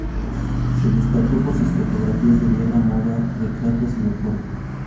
Se destacó por sus fotografías de guerra, moda, retratos y deportes.